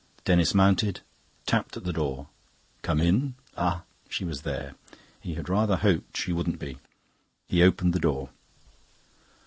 Denis mounted, tapped at the door. "Come in." Ah, she was there; he had rather hoped she wouldn't be. He opened the door.